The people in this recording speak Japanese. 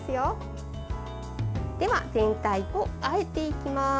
では、全体をあえていきます。